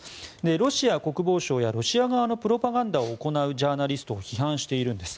ロシア国防省やロシア側のプロパガンダを行うジャーナリストを批判しているんです。